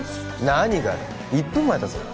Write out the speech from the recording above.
何がだ１分前だぞ！？